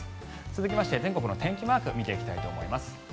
続きまして全国の天気マークを見ていきたいと思います。